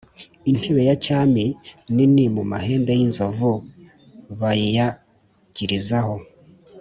Intebe ya cyami a nini mu mahembe y inzovu b ayiyagirizaho